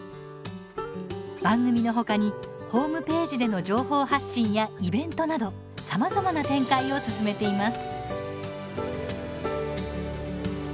番組のほかに、ホームページでの情報発信やイベントなどさまざまな展開を進めています。